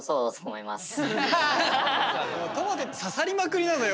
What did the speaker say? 刺さりまくりなのよ